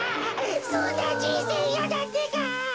そんなじんせいいやだってか！